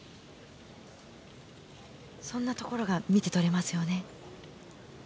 そんなところが見て取れますよね。